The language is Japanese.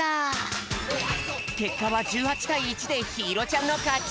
けっかは１８たい１でひいろちゃんのかち！